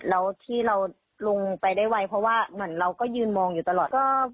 แล้วที่เราลงไปได้ไวเพราะว่าเหมือนเราก็ยืนมองอยู่ตลอด